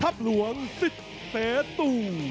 ทับหลวงศิษย์เศตุ